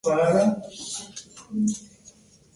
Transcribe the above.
Son un constituyente importante de muchas rocas.